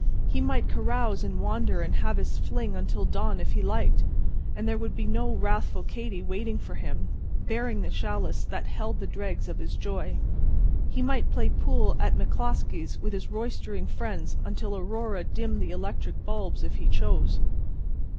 He might carouse and wander and have his fling until dawn if he liked; and there would be no wrathful Katy waiting for him, bearing the chalice that held the dregs of his joy. He might play pool at McCloskey's with his roistering friends until Aurora dimmed the electric bulbs if he chose.